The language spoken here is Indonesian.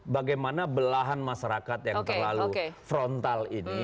bagaimana belahan masyarakat yang terlalu frontal ini